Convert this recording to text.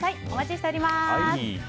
お待ちしております。